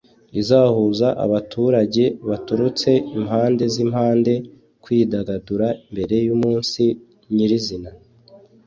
izahuza abaturage baturutse impande n’impande kwidagadura mbere y’umunsi nyir’izina